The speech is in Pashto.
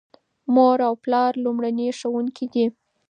مور او پلار لومړني ښوونکي دي.